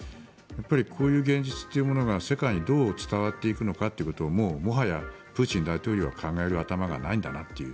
こういう現実というものが世界にどう伝わっているのかというのがもはやプーチン大統領は考える頭がないんだなという。